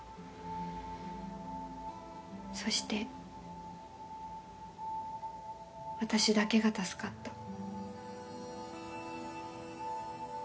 そして私だけが助かった。